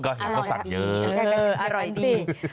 อร่อยครับอร่อยดี